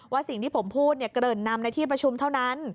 สิ่งที่ผมพูดเกริ่นนำในที่ประชุมเท่านั้น